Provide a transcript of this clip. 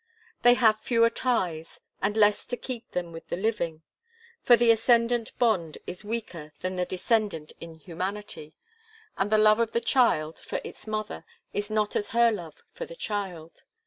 They have fewer ties, and less to keep them with the living. For the ascendant bond is weaker than the descendant in humanity, and the love of the child for its mother is not as her love for the child.